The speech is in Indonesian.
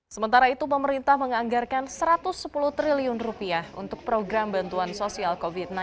sementara itu pemerintah menganggarkan rp satu ratus sepuluh triliun untuk program bantuan sosial